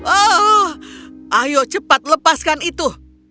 oh ayo cepat lepaskan itu